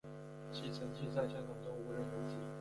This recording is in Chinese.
其成绩在香港中无人能及。